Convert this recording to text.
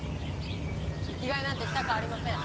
席替えなんてしたくありません！